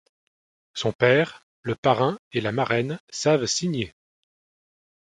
Son père, le parrain et la marraine savent signer.